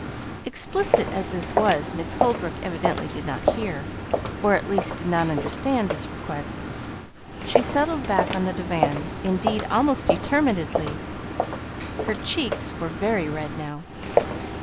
Explicit as this was, Miss Holbrook evidently did not hear, or at least did not understand, this request. She settled back on the divan, indeed, almost determinedly. Her cheeks were very red now.